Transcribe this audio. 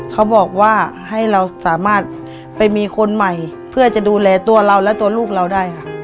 เขาบอกว่าให้เราสามารถไปมีคนใหม่เพื่อจะดูแลตัวเราและตัวลูกเราได้ค่ะ